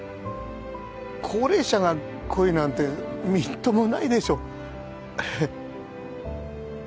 高齢者が恋なんてみっともないでしょう